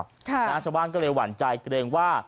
ชาวบ้านก็เลยหวั่นใจเกรงว่า